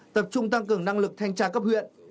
tập trung tăng cường năng lực thanh tra cấp huyện